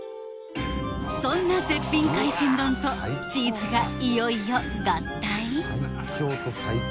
そんな絶品海鮮丼とチーズがいよいよ合体？